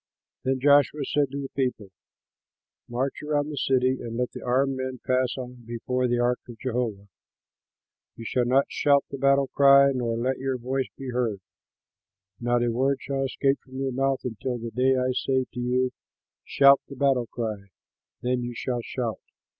Then Joshua said to the people, "March around the city and let the armed men pass on before the ark of Jehovah. You shall not shout the battle cry nor let your voice be heard; not a word shall escape from your mouth until the day I say to you, 'Shout the battle cry'; then you shall shout!"